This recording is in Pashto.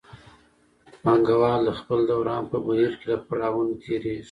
پانګوال د خپل دوران په بهیر کې له پړاوونو تېرېږي